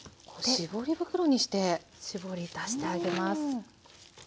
絞り出してあげます。